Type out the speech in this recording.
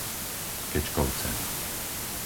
Kečkovce